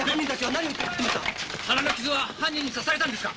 腹の傷は犯人に刺されたんですか？